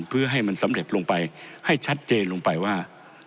เพื่อให้มันสำเร็จลงไปให้ชัดเจนลงไปว่า